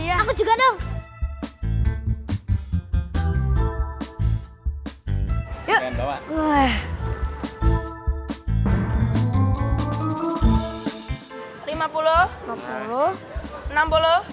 aku juga dong